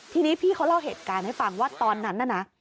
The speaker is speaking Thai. ทีนี้พี่เขาเล่าเหตุการณ์ให้ฟังว่าตอนนั้นน่ะนะ